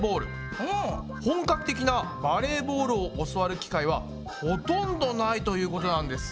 本格的なバレーボールを教わる機会はほとんどないということなんです。